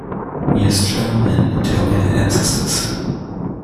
He has German and Italian ancestors.